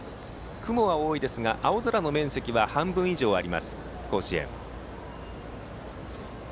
雲は多いですが青空の面積は半分以上あります、甲子園。